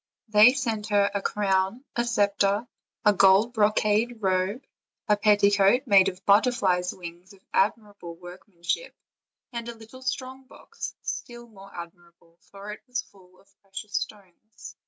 They sent her a crown, a scepter, a golden bro cade robe, a petticoat made of butterflies' wings of ad mirable workmanship, and a little strong box, still more admirable, for it was full of precious stones.